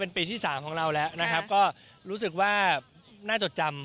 เป็นปีที่๓ของเราแล้วนะครับก็รู้สึกว่าน่าจดจำ